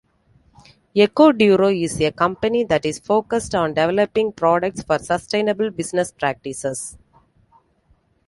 EcoDuro is a company that is focused on developing products for sustainable business practices.